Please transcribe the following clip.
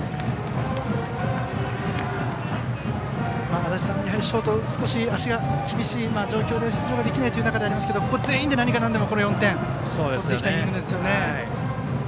足達さん、ショートの上田は足が少し厳しい状況で出場できない中ではありますがここは全員で、何がなんでもこの４点、取っていきたいイニングですね。